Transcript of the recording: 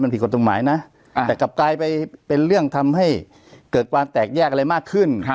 ผิดกฎหมายตรงหมายนะแต่กลับกลายไปเป็นเรื่องทำให้เกิดความแตกแยกอะไรมากขึ้น